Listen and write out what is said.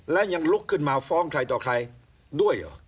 และยังลุกขึ้นมาฟ้องใครต่อใครด้วยเหรอ